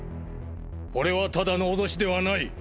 これはただの脅しではない。